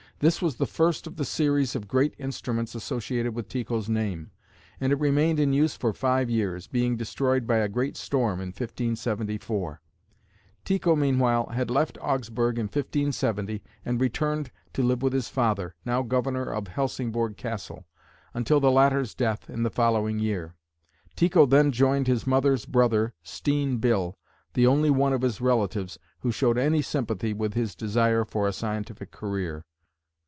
This was the first of the series of great instruments associated with Tycho's name, and it remained in use for five years, being destroyed by a great storm in 1574. Tycho meanwhile had left Augsburg in 1570 and returned to live with his father, now governor of Helsingborg Castle, until the latter's death in the following year. Tycho then joined his mother's brother, Steen Bille, the only one of his relatives who showed any sympathy with his desire for a scientific career.